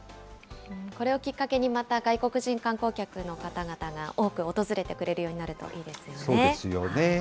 これをきっかけに、また外国人観光客の方々が多く訪れてくれるようになるといいですよね。